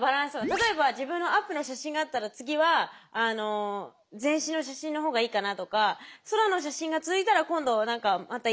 例えば自分のアップの写真があったら次は全身の写真の方がいいかなとか空の写真が続いたら今度何かまた色とか考えた方がいいかなとか。